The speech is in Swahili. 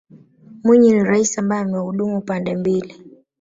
mwinyi ni raisi ambaye amehudumu pande mbili